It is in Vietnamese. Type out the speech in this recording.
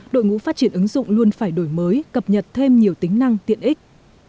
đội ngũ phát triển ứng dụng luôn phải đổi mới cập nhật thêm nhiều tính năng tiện ích